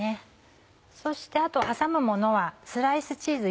そしてあと挟むものはスライスチーズ。